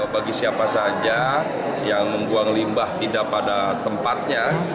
bagi siapa saja yang membuang limbah tidak pada tempatnya